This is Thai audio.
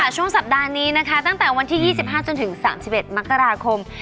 ช่วงสัปดาห์นี้นะคะตั้งแต่วันที่๒๕จนถึง๓๑มกราคม